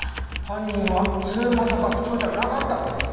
犯人は末政学長じゃなかったって事？